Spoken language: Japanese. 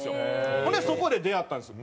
ほんでそこで出会ったんですよ。